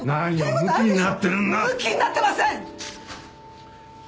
ムキになってません！